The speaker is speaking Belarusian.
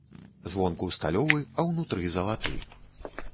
Звонку сталёвы, а ўнутры залаты.